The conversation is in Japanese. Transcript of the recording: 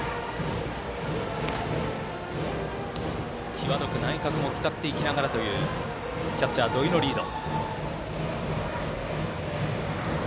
際どく内角も使っていきながらというキャッチャー、土井のリード。